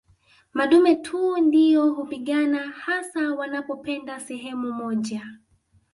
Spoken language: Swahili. Madume tu ndio hupigana hasa wanapopenda sehemu moja